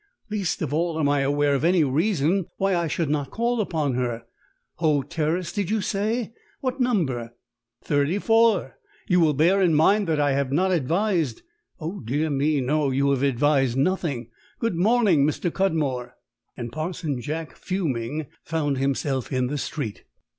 Least of all am I aware of any reason why I should not call upon her. Hoe Terrace, did you say? What number?" "Thirty four. You will bear in mind that I have not advised " "Oh, dear me, no; you have advised nothing. Good morning, Mr. Cudmore!" And Parson Jack, fuming, found himself in the street.